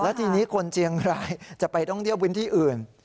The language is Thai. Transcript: และทีนี้คนเชียงรายจะไปท่องเที่ยวพื้นที่อื่น